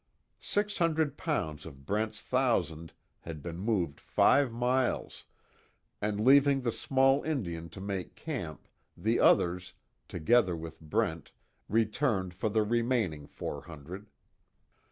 Six hundred pounds of Brent's thousand had been moved five miles, and leaving the small Indian to make camp, the others, together with Brent returned for the remaining four hundred.